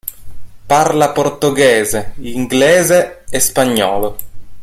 Parla portoghese, inglese e spagnolo.